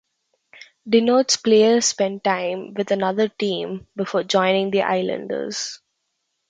Denotes player spent time with another team before joining the Islanders.